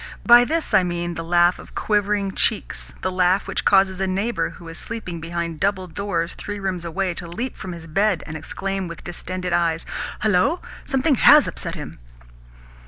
By this I mean the laugh of quivering cheeks, the laugh which causes a neighbour who is sleeping behind double doors three rooms away to leap from his bed and exclaim with distended eyes, "Hullo! Something HAS upset him!"